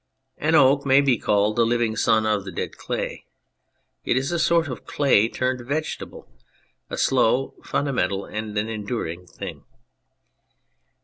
An oak may be called the living son of the dead clay ; it is a sort of clay turned vegetable, a slow, a fundamental, and an enduring thing.